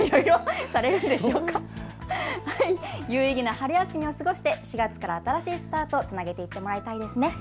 有意義な春休みを過ごして４月から新しいスタートにつなげていってもらいたいですね。